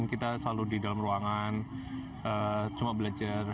kita selalu di dalam ruangan cuma belajar